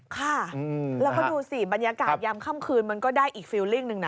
ค่ะแล้วก็ดูสิบรรยากาศยามค่ำคืนมันก็ได้อีกฟิลลิ่งหนึ่งนะ